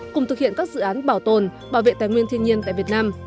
cùng thực hiện các dự án bảo tồn bảo vệ tài nguyên thiên nhiên tại việt nam